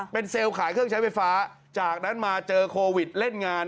เป็นเซลล์ขายเครื่องใช้ไฟฟ้าจากนั้นมาเจอโควิดเล่นงาน